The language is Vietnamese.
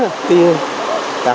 và những điểm ngập sâu